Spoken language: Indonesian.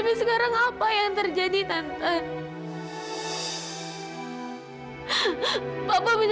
pergi dari mila tante